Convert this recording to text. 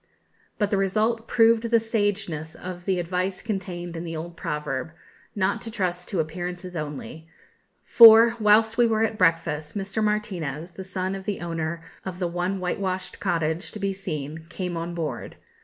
But the result proved the sageness of the advice contained in the old proverb, not to trust to appearances only; for, whilst we were at breakfast, Mr. Martinez, the son of the owner of the one whitewashed cottage to be seen, came on board.